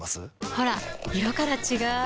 ほら色から違う！